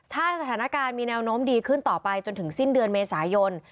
ถ้าสถานการณ์มีแนวโน้มดีขึ้นต่อไปจนถึงสิ้นเดือนเมษายน